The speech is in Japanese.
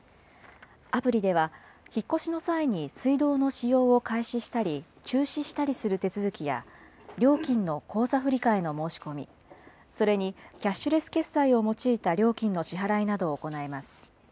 アプリでは、引っ越しの際に水道の使用を開始したり、中止したりする手続きや、料金の口座振替の申し込み、それに、キャッシュレス決済を用いた料金の支払いなどを行えます。